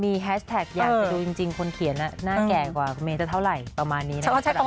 มีแฮชแท็กอยากจะดูจริงคนเขียนน่าแก่กว่าคุณเมย์จะเท่าไหร่ประมาณนี้นะครับ